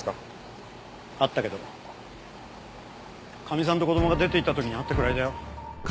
あったけどかみさんと子供が出て行った時に会ったくらいだよ。